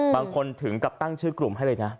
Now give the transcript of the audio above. ถึงกับตั้งชื่อกลุ่มให้เลยนะ